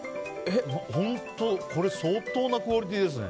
本当、これ相当なクオリティーですね。